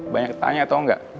banyak tanya tau gak